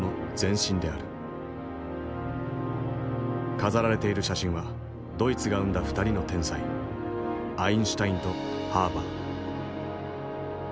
飾られている写真はドイツが生んだ２人の天才アインシュタインとハーバー。